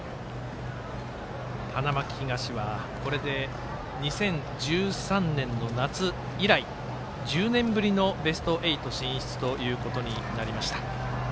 花巻東はこれで２０１３年の夏以来１０年ぶりのベスト８進出ということになりました。